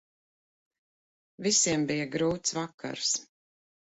Visiem bija grūts vakars.